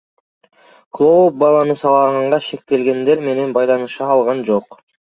Клооп баланы сабаганга шектелгендер менен байланыша алган жок.